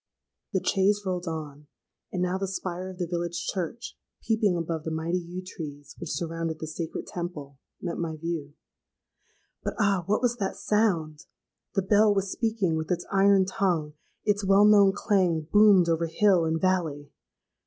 The chaise rolled on; and now the spire of the village church, peeping above the mighty yew trees which surrounded the sacred temple, met my view. But, ah! what was that sound? The bell was speaking with its iron tongue: its well known clang boomed over hill and valley.